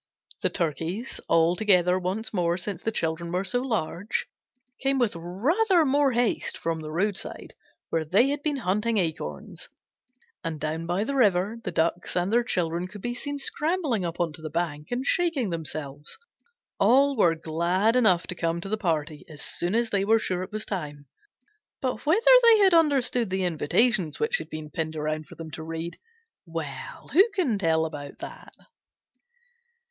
The Turkeys, all together once more since the children were so large, came with rather more haste from the roadside, where they had been hunting acorns. And down by the river the Ducks and their children could be seen scrambling up onto the bank and shaking themselves. All were glad enough to come to the party as soon as they were sure it was time, but whether they had understood the invitations which had been pinned around for them to read well, who can tell about that?